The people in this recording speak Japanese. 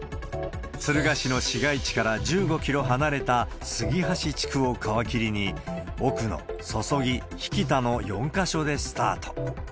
敦賀市の市街地から１５キロ離れた杉箸地区を皮切りに、奥野、曽々木、疋田の４か所でスタート。